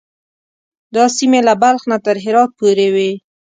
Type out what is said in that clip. دا سیمې له بلخ نه تر هرات پورې وې.